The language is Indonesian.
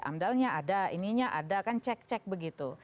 amdalnya ada ininya ada kan cek cek begitu